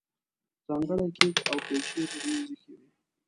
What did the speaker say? ځانګړي کیک او کولچې یې پر مېز ایښي وو.